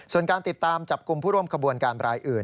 ส่วนการติดตามจับกลุ่มผู้ร่วมขบวนการรายอื่น